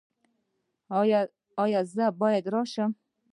ایا زه باید راشم؟